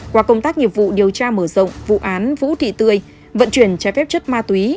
qua công tác nghiệp vụ điều tra mở rộng vụ án vũ thị tươi vận chuyển trái phép chất ma túy